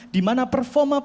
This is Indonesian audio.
di mana performa pelabuhan